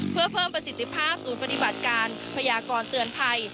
เพื่อเพิ่มประสิทธิภาพศูนย์ปฏิบัติการพยากรเตือนภัย